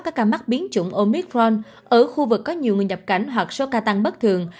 các ca mắc biến chủng omit fron ở khu vực có nhiều người nhập cảnh hoặc số ca tăng bất thường